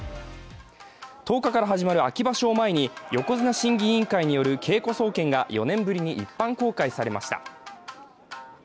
１０日から始まる秋場所を前に横綱審議委員会による稽古総見が４年ぶりに一般公開されました。